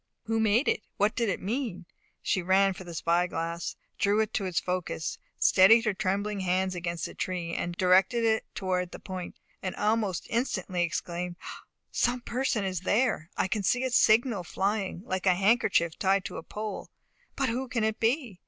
Who made it? What did it mean? She ran for the spy glass, drew it to its focus, steadied her trembling hands against a tree, directed it towards the point, and almost instantly exclaimed, "Some person is there. I can see a signal flying, like a handkerchief tied to a pole. But who can it be?